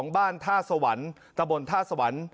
บ้านท่าสวรรค์ตะบนท่าสวรรค์